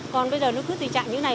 còn bây giờ nó cứ tình trạng như thế này